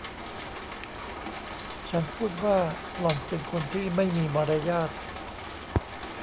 ฉันพูดว่าหล่อนเป็นคนที่ไม่มีมารยาท